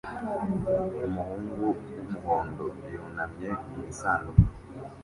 Umuhungu wumuhondo yunamye mu isanduku